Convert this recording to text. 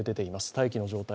大気の状態